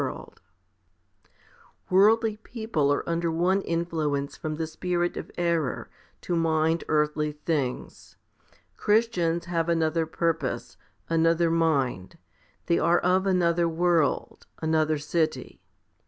Worldly people are under one influence from the spirit of error, to mind earthly things ; Christians have another purpose, another mind ; they are of another world, another city.